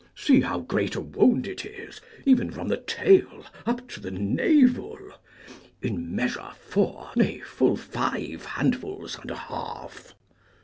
See how great a wound it is, even from the tail up to the navel, in measure four, nay full five handfuls and a half.